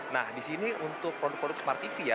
nah di sini untuk produk produk smart tv ya